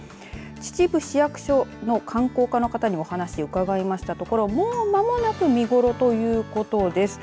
秩父市役所の観光課の方にお話を伺いましたところもう間もなく見頃ということです。